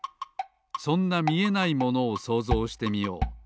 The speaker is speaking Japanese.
そんなみえないものをそうぞうしてみよう。